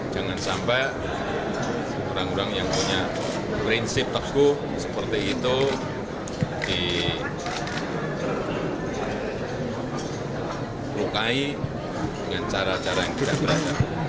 jangan sampai orang orang yang punya prinsip teguh seperti itu dilukai dengan cara cara yang tidak berada